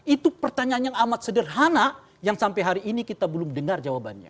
itu pertanyaan yang amat sederhana yang sampai hari ini kita belum dengar jawabannya